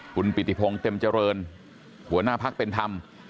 คุณปิติพงศ์เต็มเจริญหัวหน้าพักเป็นธรรม